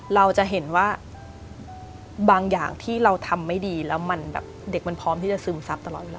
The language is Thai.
เราจะเห็นว่าบางอย่างที่เราทำไม่ดีแล้วมันแบบเด็กมันพร้อมที่จะซึมซับตลอดเวลา